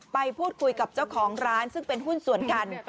ไปพูดคุยกับเจ้าของร้านซึ่งเป็นหุ้นส่วนกัน